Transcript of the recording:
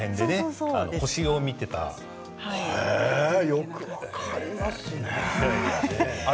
よく分かりますね。